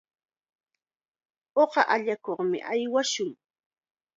Uqa allakuqmi aywashun.